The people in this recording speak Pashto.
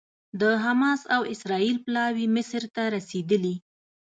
د حماس او اسرائیل پلاوي مصر ته رسېدلي